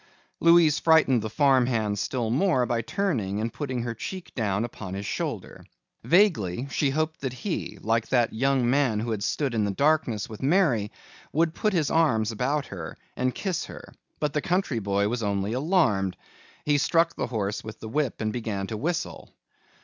Louise frightened the farm hand still more by turning and putting her cheek down upon his shoulder. Vaguely she hoped that he like that young man who had stood in the darkness with Mary would put his arms about her and kiss her, but the country boy was only alarmed. He struck the horse with the whip and began to whistle.